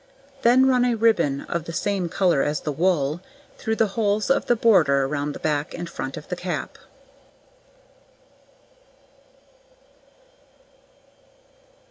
Then run a ribbon, of the same colour as the wool, through the holes of the border round the back and front of the cap.